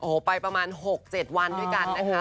โอ้โหไปประมาณ๖๗วันด้วยกันนะคะ